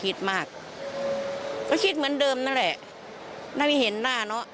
คิดมากก็คิดเหมือนเดิมนั่นแหละน่าจะเห็นหน้าเนอะ